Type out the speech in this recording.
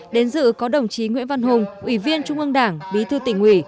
đến dự có đồng chí nguyễn văn hùng ủy viên trung ương đảng bí thư tỉnh ủy